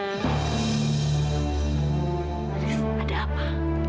haris ada apa